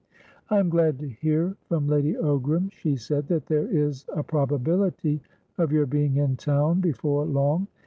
"I am glad to hear from Lady Ogram," she said, "that there is a probability of your being in town before long.